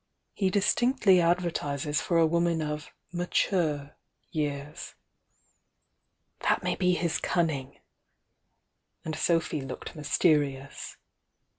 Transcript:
"He distinctly advertises for a woman of 'mature' years." "That may be his cunning!" and Sophy looked mysterious.